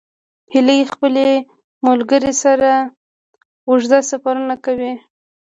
هیلۍ خپل ملګري سره اوږده سفرونه کوي